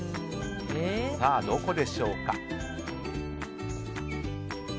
どこでしょうか。